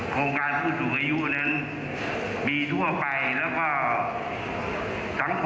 โครงการผู้สูงอายุนั้นมีทั่วไปแล้วก็สังคม